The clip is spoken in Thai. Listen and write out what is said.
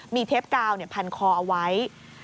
มีเทปกาวพันคอเอาไว้